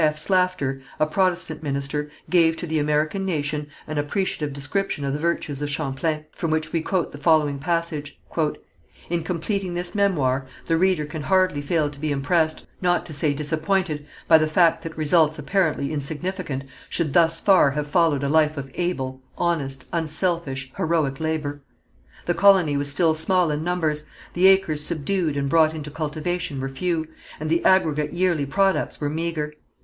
F. Slafter, a Protestant minister, gave to the American nation an appreciative description of the virtues of Champlain, from which we quote the following passage: "In completing this memoir the reader can hardly fail to be impressed, not to say disappointed, by the fact that results apparently insignificant should thus far have followed a life of able, honest, unselfish, heroic labour. The colony was still small in numbers, the acres subdued and brought into cultivation were few, and the aggregate yearly products were meagre.